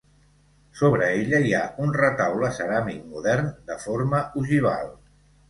Sobre ella hi ha un retaule ceràmic modern de forma ogival.